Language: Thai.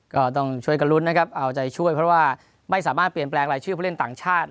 ก็ต้องช่วยกันลุ้นนะครับเอาใจช่วยเพราะว่าไม่สามารถเปลี่ยนแปลงรายชื่อผู้เล่นต่างชาติ